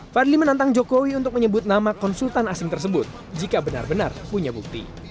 fadli menantang jokowi untuk menyebut nama konsultan asing tersebut jika benar benar punya bukti